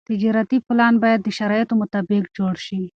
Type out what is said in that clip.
تجارتي پلان باید د شرایطو مطابق جوړ شي.